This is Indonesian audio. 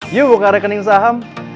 yuk buka rekening saham